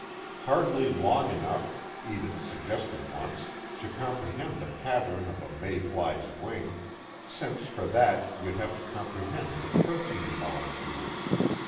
Hardly long enough (Edith suggested once) to comprehend the pattern of a May fly's wing, since for that you'd have to comprehend the protein molecule.